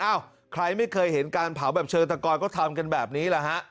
ใครไม่เคยเห็นการเผาแบบเชิงตะกอยก็ทำกันแบบนี้แหละฮะ